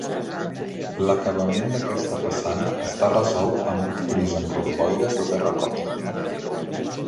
L'acabament d'aquesta façana està resolt amb un fris amb romboides de terracota.